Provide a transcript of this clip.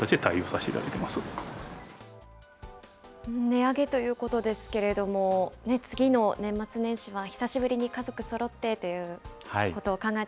値上げということですけれども、次の年末年始は久しぶりに家族そろってということを考え